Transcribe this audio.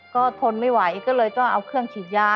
ก็ทนไม่ไหวก็เลยต้องเอาเครื่องฉีดยา